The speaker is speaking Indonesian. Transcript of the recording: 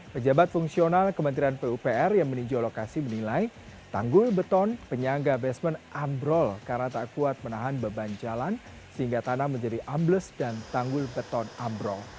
pejabat fungsional kementerian pupr yang meninjau lokasi menilai tanggul beton penyangga basement ambrol karena tak kuat menahan beban jalan sehingga tanah menjadi ambles dan tanggul beton ambrol